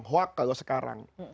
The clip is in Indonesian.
hoak kalau sekarang